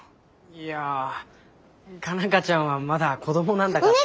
いや佳奈花ちゃんはまだ子どもなんだから。